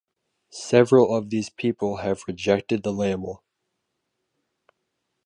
Several of these people have rejected the label.